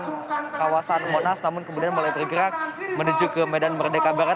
pukul sebelas tiga puluh sembilan di depan kawasan monas namun kemudian mulai bergerak menuju ke medan merdeka barat